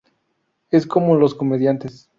Es como los comediantes.